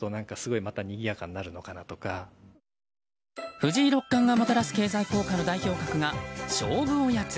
藤井六冠がもたらす経済効果の代表格が勝負おやつ。